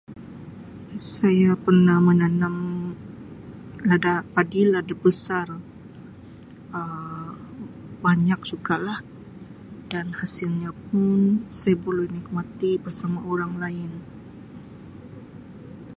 Saya pernah menanam lada padi, lada besar Um banyak jugalah dan hasilnya pun saya boleh nikmati bersama orang lain.